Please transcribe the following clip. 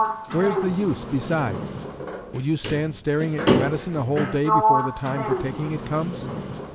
Where's the use, besides? Would you stand staring at your medicine a whole day before the time for taking it comes?